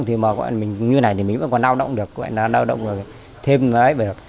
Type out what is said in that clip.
thì mà như thế này thì mình vẫn còn lao động được lao động thêm là ấy được